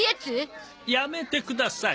やめてください。